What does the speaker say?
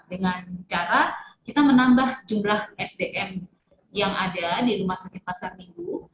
dengan cara kita menambah jumlah sdm yang ada di rumah sakit pasar minggu